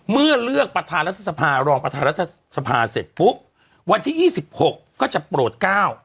เมื่อเลือกประธานรัฐสภารองประธานรัฐสภาเสร็จปุ๊บวันที่ยี่สิบหกก็จะโปรดก้าว